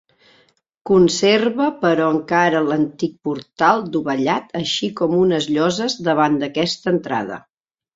Conserva però encara l'antic portal dovellat així com unes lloses davant d'aquesta entrada.